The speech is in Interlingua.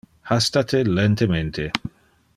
Hasta te lentemente.